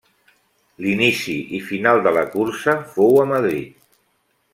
L'inici i final de la cursa fou a Madrid.